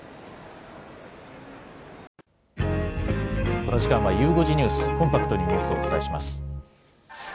この時間はゆう５時ニュース、コンパクトにニュースをお伝えします。